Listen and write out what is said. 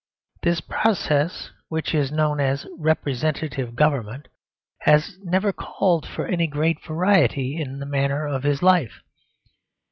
This process, which is known as Representative Government, has never called for any great variety in the manner of his life.